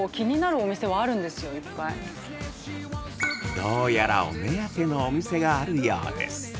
◆どうやら、お目当てのお店があるようです。